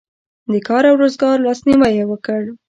د کار او روزګار لاسنیوی یې وکړ.